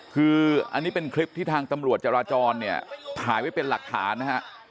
คืออันนี้เป็นคลิปที่ทางตำรวจจราจรเนี่ยถ่ายไว้เป็นหลักฐานนะฮะ